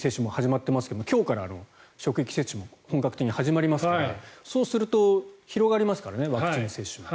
航空会社はもう職域接種が始まっていますが今日から職域接種も本格的に始まりますからそうすると、広がりますからワクチン接種が。